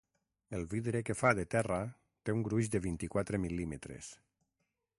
El vidre que fa de terra té un gruix de vint-i-quatre mil·límetres.